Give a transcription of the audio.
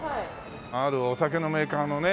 あるお酒のメーカーのね宣伝でね